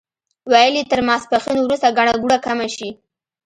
ویل یې تر ماسپښین وروسته ګڼه ګوڼه کمه شي.